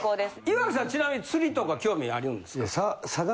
岩城さんちなみに釣りとか興味あるんですか？